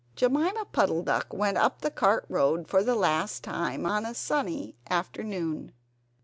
Jemima Puddle duck went up the cart road for the last time, on a sunny afternoon.